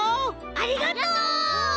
ありがとう！